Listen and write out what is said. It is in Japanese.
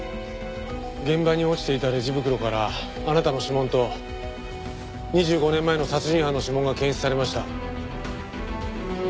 現場に落ちていたレジ袋からあなたの指紋と２５年前の殺人犯の指紋が検出されました。